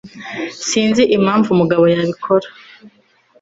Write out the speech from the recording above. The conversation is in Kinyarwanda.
Sinzi impamvu mugabo yabikora